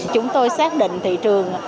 chúng tôi xác định thị trường